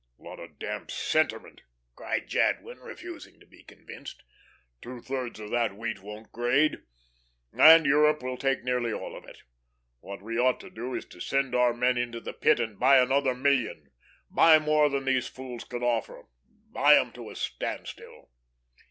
'" "Lot of damned sentiment," cried Jadwin, refusing to be convinced. "Two thirds of that wheat won't grade, and Europe will take nearly all of it. What we ought to do is to send our men into the Pit and buy another million, buy more than these fools can offer. Buy 'em to a standstill."